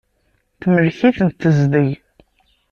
Temlek-itent tezdeg.